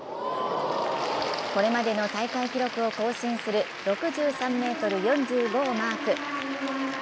これまでの大会記録を更新する６３ｍ４５をマーク。